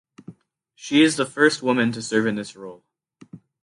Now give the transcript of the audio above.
She is the first woman to serve in this role.